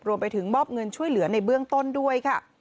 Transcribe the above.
รวมถึงมอบเงินช่วยเหลือในเบื้องต้นด้วยค่ะ